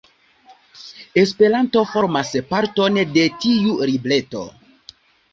Esperanto formas parton de tiu libreto.